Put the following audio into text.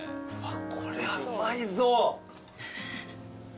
こりゃうまいぞ。